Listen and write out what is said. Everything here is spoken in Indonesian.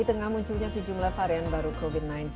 di tengah munculnya sejumlah varian baru covid sembilan belas